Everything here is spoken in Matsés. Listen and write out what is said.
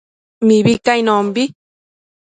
Mibi cainonbi